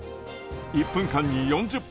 １分間に４０発